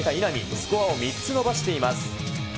スコアを３つ伸ばしています。